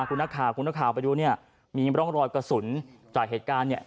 คุณต้องข่าวไปดูเนี่ยมีร่องรอยกระสุนจากเหตุการณ์เนี่ย